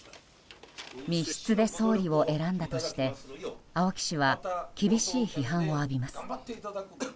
密室で総理を選んだとして青木氏は厳しい批判を浴びます。